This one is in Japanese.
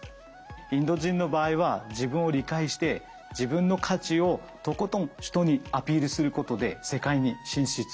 インド人の場合は自分を理解して自分の価値をとことん人にアピールすることで世界に進出しています。